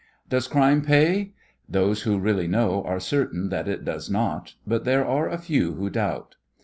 Does crime pay? Those who really know are certain that it does not, but there are a few who doubt.